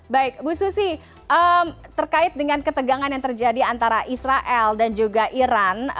baik bu susi terkait dengan ketegangan yang terjadi antara israel dan juga iran